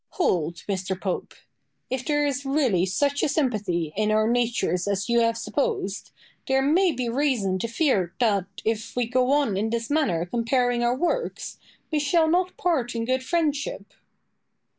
Boileau. Hold, Mr. Pope. If there is really such a sympathy in our natures as you have supposed, there may be reason to fear that, if we go on in this manner comparing our works, we shall not part in good friendship.